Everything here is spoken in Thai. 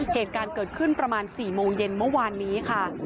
เหตุการณ์เกิดขึ้นประมาณ๔โมงเย็นเมื่อวานนี้ค่ะ